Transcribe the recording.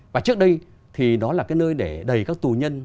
và trước đây thì đó là cái nơi để đầy các tù nhân